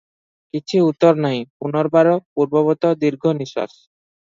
କିଛି ଉତ୍ତର ନାହିଁ, ପୁନର୍ବାର ପୂର୍ବବତ୍ ଦୀର୍ଘ ନିଶ୍ୱାସ ।